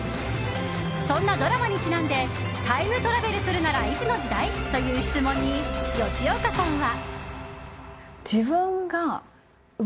そんなドラマにちなんでタイムトラベルするならいつの時代？という質問に吉岡さんは。